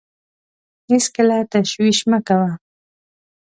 هېڅکله تشویش مه کوه .